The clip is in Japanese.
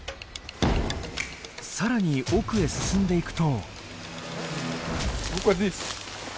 更に奥へ進んでいくと。